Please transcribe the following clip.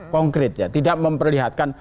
konkret ya tidak memperlihatkan